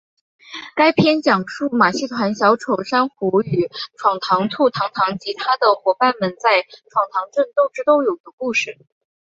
该片讲述马戏团小丑珊瑚与闯堂兔堂堂及他的伙伴们在闯堂镇斗智斗勇的故事。